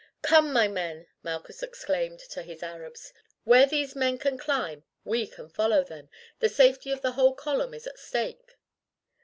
"Come, my men," Malchus exclaimed to his Arabs, "where these men can climb we can follow them; the safety of the whole column is at stake."